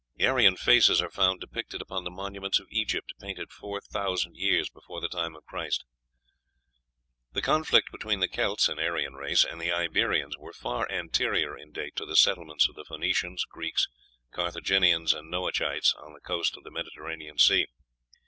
Aryan faces are found depicted upon the monuments of Egypt, painted four thousand years before the time of Christ. "The conflicts between the Kelts (an Aryan race) and the Iberians were far anterior in date to the settlements of the Phoenicians, Greeks, Carthaginians, and Noachites on the coasts of the Mediterranean Sea."